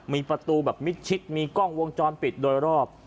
มีประตูแบบมิดชิดมีกล้องวงจรปิดโดยรอบ